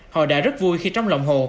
họ đã rất vui khi trong lòng hồ